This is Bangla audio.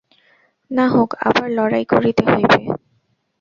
নাহক আবার লড়াই করিতে হইবে।